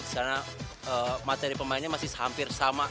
karena materi pemainnya masih hampir sama